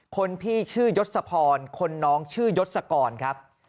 คนพี่ชื่อยศพรคนน้องชื่อยศกรครับ